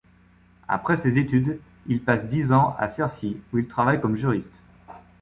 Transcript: Après ses études, il passe dix ans à Searcy, où il travaille comme juriste.